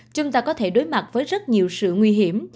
chúng ta có thể đối mặt với rất nhiều sự nguy hiểm